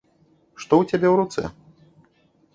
Што ў цябе ў руцэ?